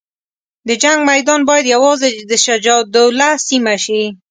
د جنګ میدان باید یوازې د شجاع الدوله سیمه شي.